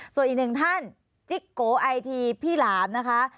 ส่วนอีกหนึ่งท่านจิ๊กโกไอทีพี่หลามนะคะ